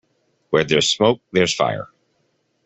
Where there's smoke there's fire.